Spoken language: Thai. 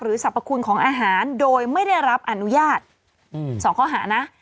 สรรพคุณของอาหารโดยไม่ได้รับอนุญาต๒ข้อหานะ